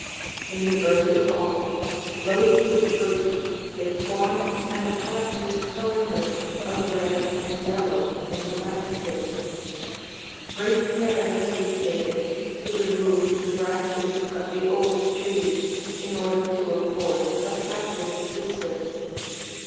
In the early fall, loaded with fruit, they form an attractive color note of red and yellow in the landscape. Great care has been taken to remove the branches of the old trees in order to afford attractive vistas.